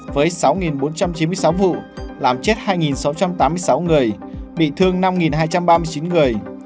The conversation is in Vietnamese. với sáu bốn trăm chín mươi sáu vụ làm chết hai sáu trăm tám mươi sáu người bị thương năm hai trăm ba mươi chín người